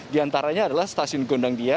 diantaranya adalah stasiun gondang dia